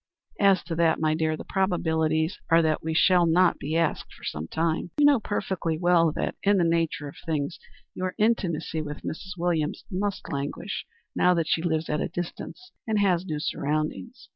"As to that, my dear, the probabilities are that we shall not be asked for some time. You know perfectly well that, in the nature of things, your intimacy with Mrs. Williams must languish now that she lives at a distance and has new surroundings.